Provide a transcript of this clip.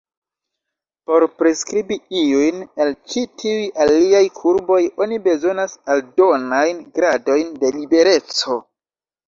Por priskribi iujn el ĉi tiuj aliaj kurboj, oni bezonas aldonajn gradojn de libereco.